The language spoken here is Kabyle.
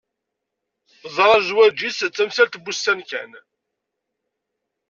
Teẓra zwaǧ-is d tamsalt n wussan kan.